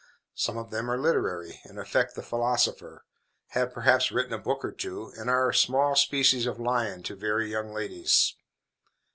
Some of them are literary, and affect the philosopher; have, perhaps, written a book or two, and are a small species of lion to very young ladies.